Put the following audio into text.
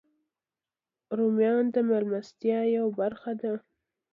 رومیان د میلمستیا یوه برخه ده